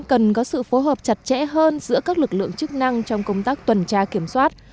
cần có sự phối hợp chặt chẽ hơn giữa các lực lượng chức năng trong công tác tuần tra kiểm soát